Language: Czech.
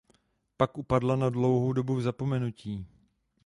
Pak upadla na dlouhou dobu v zapomenutí.